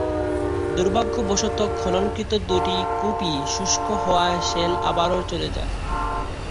দুর্ভাগ্যবশত খননকৃত দুটি কূপই শুষ্ক হওয়ায় শেল আবারও চলে যায়।